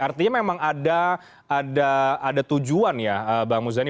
artinya memang ada tujuan ya bang muzani